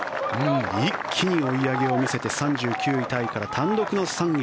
一気に追い上げを見せて３９位タイから単独の３位。